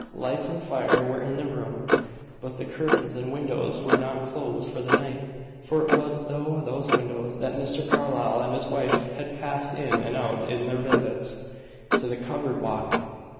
Lights and fire were in the room, but the curtains and windows were not closed for the night, for it was through those windows that Mr. Carlyle and his wife had passed in and out on their visits to the covered walk.